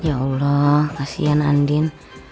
ya allah kasihan andin